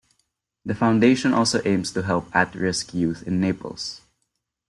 The foundation also aims to help at risk youth in Naples.